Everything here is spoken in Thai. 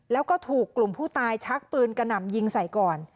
แล้วก็ถูกกลุ่มผู้ตายชักปืนกระหน่ำยิงใส่ก่อน